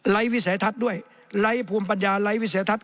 วิสัยทัศน์ด้วยไร้ภูมิปัญญาไร้วิสัยทัศ